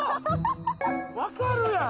わかるやん！